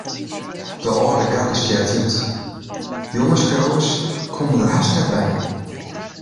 De âlde garde stjert út, jonge skriuwers komme der hast net by.